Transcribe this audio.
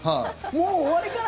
もう終わりかな？